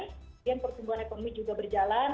kemudian pertumbuhan ekonomi juga berjalan